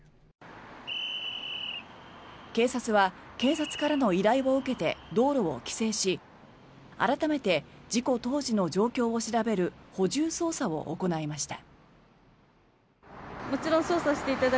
警察は検察からの依頼を受けて道路を規制し改めて事故当時の状況を調べる補充捜査を行いました。